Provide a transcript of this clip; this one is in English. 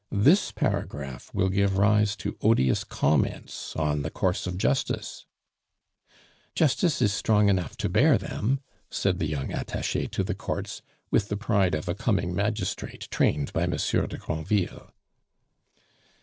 This paragraph will give rise to odious comments on the course of justice " "Justice is strong enough to bear them," said the young attache to the Courts, with the pride of a coming magistrate trained by Monsieur de Granville.